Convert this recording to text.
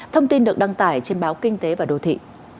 thông tin được đăng tải trên báo kinh tế và đô thị